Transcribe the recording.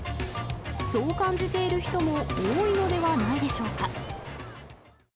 そう感じている人も多いのではないでしょうか。